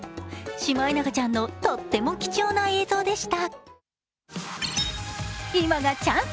シマエナガちゃんのとっても貴重な映像でした。